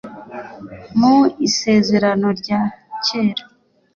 mu isezerano rya kera